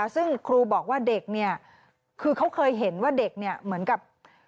ซึ่งครูบอกว่าเด็กเนี่ยคือเขาเคยเห็นว่าเด็กเนี่ยเหมือนกับ